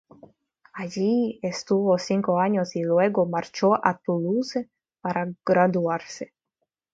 Allí estuvo cinco años y luego marchó a Toulouse para graduarse.